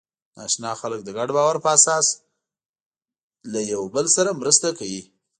ناآشنا خلک د ګډ باور په اساس له یوه بل سره مرسته کوي.